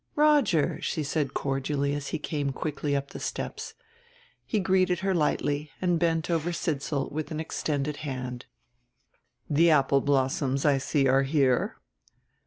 "Roger," she said cordially as he came quickly up the steps. He greeted her lightly and bent over Sidsall with an extended hand: "The apple blossoms, I see, are here."